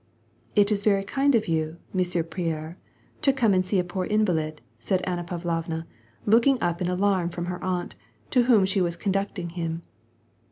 " It is very kind of you, ^ Monsieur Pierre,' to come and see a poor invalid," said Anna Pavlovna, looking up in alarm from her aunt, to whom she was conducting him.